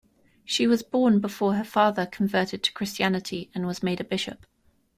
She was born before her father converted to Christianity and was made a bishop.